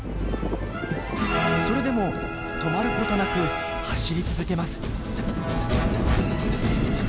それでも止まることなく走り続けます。